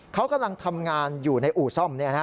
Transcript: เขากำลังทำงานอยู่ในอู่ซ่อม